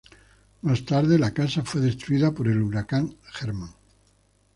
Más tarde la casa fue destruida por el Huracán Herman.